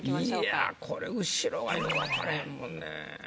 いやこれ後ろはよう分かれへんもんね。